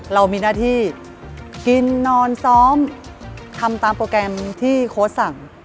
เรามีหน้าที่กินนอนซ้อมทำตามโปรแกรมที่โค้ชสั่ง